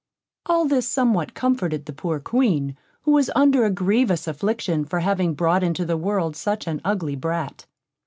All this somewhat comforted the poor Queen, who was under a grievous affliction for having brought into the world such an ugly brat.